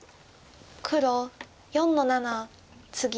黒４の七ツギ。